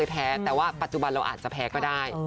แพ้แต่ว่าปัจจุบันเราอาจจะแพ้ก็ได้